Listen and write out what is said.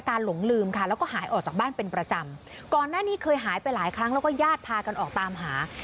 คือครอบครัวของคนตายเค้าให้ข้อมูลว่า